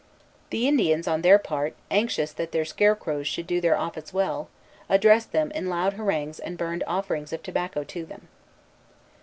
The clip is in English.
The Indians, on their part, anxious that their scarecrows should do their office well, addressed them in loud harangues and burned offerings of tobacco to them.